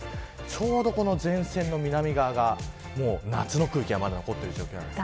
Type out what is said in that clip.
ちょうど前線の南側が夏の空気がまだ残っている状況です。